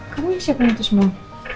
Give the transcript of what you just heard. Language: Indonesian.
kamu siapin itu semua